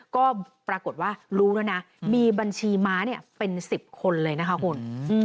ก็ปรากฏว่ารู้แล้วนะมีบัญชีม้าเป็น๑๐คนเลยนะคะคุณ